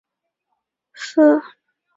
正德元年病重而亡。